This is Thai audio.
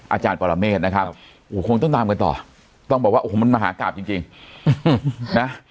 อาจารย์ปรเมฆนะครับโอ้โหคงต้องตามกันต่อต้องบอกว่าโอ้โหมันมหากราบจริงนะ